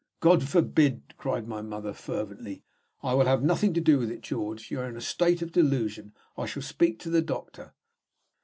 "God forbid" cried my mother, fervently. "I will have nothing to do with it, George. You are in a state of delusion; I shall speak to the doctor."